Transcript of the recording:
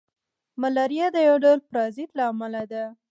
ملاریا د یو ډول پرازیت له امله ده